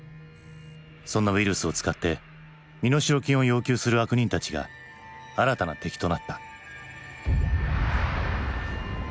そんなウイルスを使って身代金を要求する悪人たちが新たな敵となった。